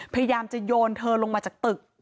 พยายามจะโยนเธอลงมาจากตึก